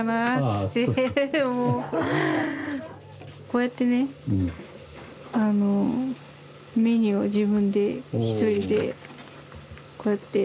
こうやってねメニューを自分でひとりでこうやって。